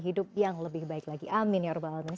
hidup yang lebih baik lagi amin ya rabbul alamin